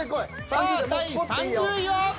さあ第３０位は？